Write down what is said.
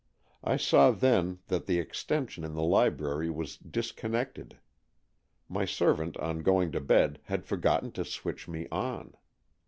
I saw then that the extension in the library was disconnected. My servant on going to bed had forgotten to switch me on.